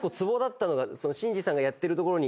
審司さんがやってるところに。